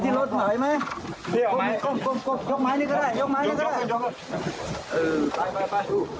โทษครับ